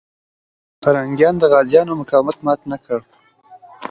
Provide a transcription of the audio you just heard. پرنګیان د غازيانو مقاومت مات نه کړ.